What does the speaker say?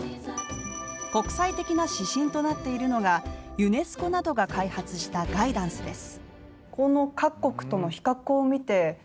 国際的な指針となっているのが、ユネスコなどが開発したガイダンスです。